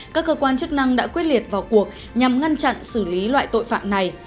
các cơ quan chức năng đã quyết liệt vào cuộc nhằm ngăn chặn xử lý loại tội phạm này